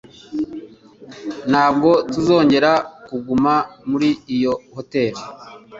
Ntabwo tuzongera kuguma muri iyo hoteri.